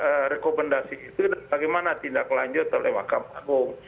kemudian rekomendasi itu dan bagaimana tindak lanjut oleh mahkamah agung